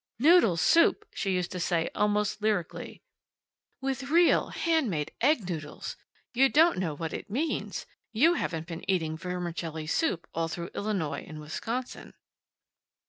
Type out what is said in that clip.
"Noodle soup!" she used to say, almost lyrically. "With real hand made, egg noodles! You don't know what it means. You haven't been eating vermicelli soup all through Illinois and Wisconsin."